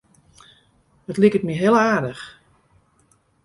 It liket my heel aardich.